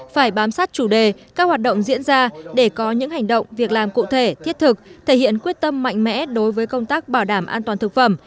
phải bám sát chủ đề các hoạt động diễn ra để có những hành động việc làm cụ thể thiết thực thể hiện quyết tâm mạnh mẽ đối với công tác bảo đảm an toàn thực phẩm